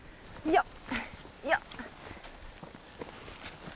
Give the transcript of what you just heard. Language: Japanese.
よっ。